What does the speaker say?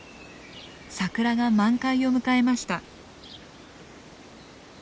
桜が満開を迎えました。